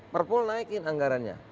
perpol naikin anggarannya